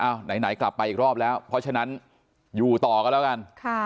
ไหนกลับไปอีกรอบแล้วเพราะฉะนั้นอยู่ต่อกันแล้วกัน